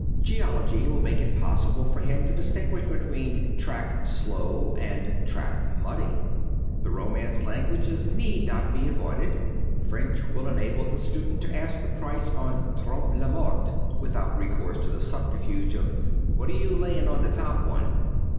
Geology will make it possible for him to distinguish between "track slow" and "track muddy." The romance languages need not be avoided. French will enable the student to ask the price on Trompe La Morte without recourse to the subterfuge of "What are you laying on the top one?"